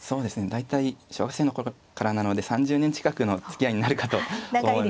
大体小学生の頃からなので３０年近くのつきあいになるかと思うんですけど。